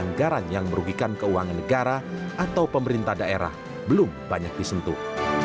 anggaran yang merugikan keuangan negara atau pemerintah daerah belum banyak disentuh